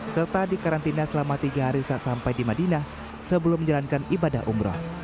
serta dikarantina selama tiga hari saat sampai di madinah sebelum menjalankan ibadah umroh